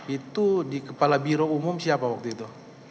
itu di kepala biro umum siapa waktu itu